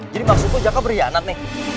jadi maksudmu jaka berhianat nih